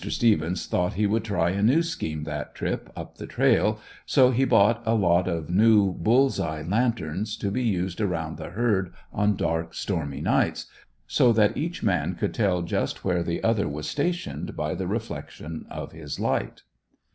Stephens thought he would try a new scheme that trip up the trail, so he bought a lot of new bulls eye lanterns to be used around the herd on dark, stormy nights, so that each man could tell just where the other was stationed by the reflection of his light.